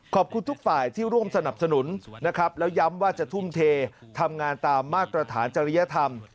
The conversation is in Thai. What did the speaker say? ขอบคุณทุกฝ่ายที่ร่วมสนับสนุนนะครับแล้วย้ำว่าจะทุ่มเททำงานตามมาตรฐานจริยธรรม